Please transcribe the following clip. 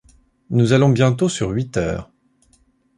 Nous allons bientôt sur huit heures.